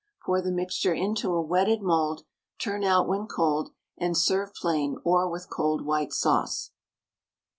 Pour the mixture into a wetted mould; turn out when cold, and serve plain, or with cold white sauce.